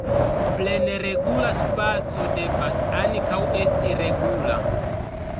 Plene regula spaco devas ankaŭ esti regula.